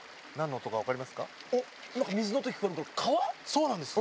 そうなんです。